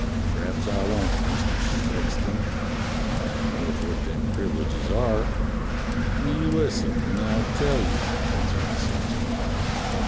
"P'raps I won't, IVIister Sexton, when I knows what them privileges are." "You listen and I'll tell you," answered the sexton.